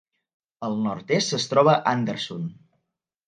Al nord-est es troba Anderson.